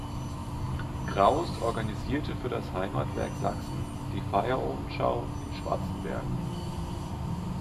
Krauß organisierte für das Heimatwerk Sachsen die "Feierohmd"-Schau in Schwarzenberg.